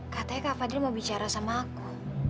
katanya kak fadli mau bicara sama aku